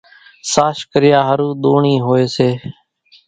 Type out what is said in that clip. ساش ڪريا ۿارُو ۮونڻِي هوئيَ سي۔